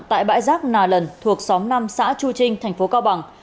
tại bãi giác nà lần thuộc xóm năm xã chu trinh tp cao bằng